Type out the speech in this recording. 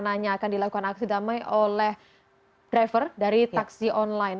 rencananya akan dilakukan aksi damai oleh driver dari taksi online